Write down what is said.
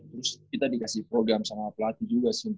terus kita dikasih program sama pelatih juga sih